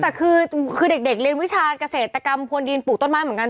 แต่คือเด็กเรียนวิชาเกษตรกรรมพวนดินปลูกต้นไม้เหมือนกัน